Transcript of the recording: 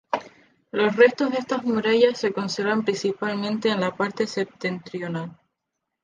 Los restos de estas murallas se conservan principalmente en el parte septentrional.